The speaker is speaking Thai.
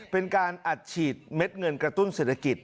เป็นการอัดฉีดเม็ดเงินกระตุ้นเศรษฐกิจ